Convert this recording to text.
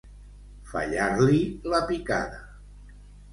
Fallar-li la picada.